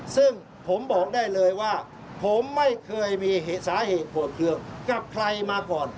ซึ่งผมบอกได้เลยว่าผมไม่เคยมีสาเหตุปวดเครื่องกับใครมาก่อน